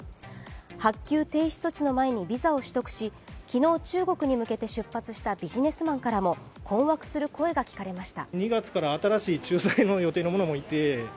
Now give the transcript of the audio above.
発給停止措置の前にビザを取得し昨日、中国に向けて出発したビジネスマンからも困惑する声が聞かれました。